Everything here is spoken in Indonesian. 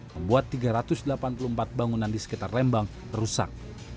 membuat tiga ratus delapan puluh empat bangunan di sekitar lembang rusak